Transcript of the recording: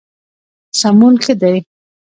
سمون ښه دی.